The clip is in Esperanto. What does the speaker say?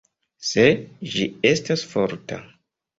Se ĝi estas forta.